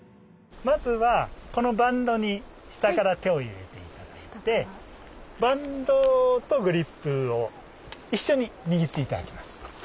まずはこのバンドに下から手を入れて頂いてバンドとグリップを一緒に握って頂きます。